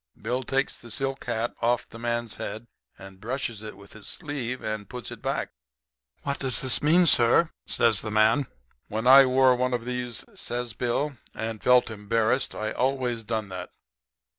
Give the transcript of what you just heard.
Bill takes the silk hat off the man's head and brushes it with his sleeve and puts it back. "'What does this mean, sir?' says the man. "'When I wore one of these,' says Bill, 'and felt embarrassed, I always done that.